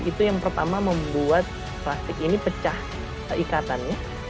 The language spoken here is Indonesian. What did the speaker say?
itu yang pertama membuat plastik ini pecah ikatannya